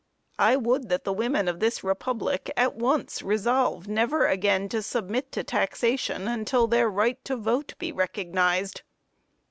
I would that the women of this republic, at once, resolve, never again to submit to taxation, until their right to vote be recognized.